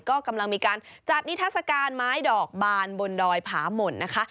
ก็กำลังมีการจัดนิทัศกาลไม้ดอกบานบนดอยผาหม่นนะคะ